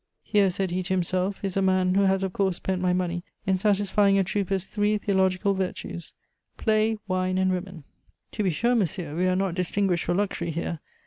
"Here," said he to himself, "is a man who has of course spent my money in satisfying a trooper's three theological virtues play, wine, and women!" "To be sure, monsieur, we are not distinguished for luxury here.